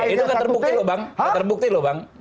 itu gak terbukti loh bang